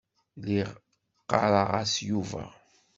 Lliɣ ɣɣareɣ-as Yuba.